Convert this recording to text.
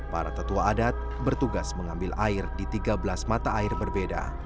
para tetua adat bertugas mengambil air di tiga belas mata air berbeda